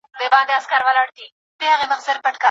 هره څانګه خپله ځانګړې محدوده لري.